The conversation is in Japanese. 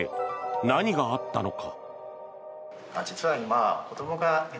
何があったのか。